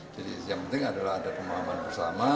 jadi yang penting adalah ada pemahaman bersama